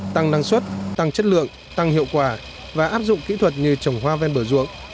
tăng năng suất tăng chất lượng tăng hiệu quả và áp dụng kỹ thuật như trồng hoa ven bờ ruộng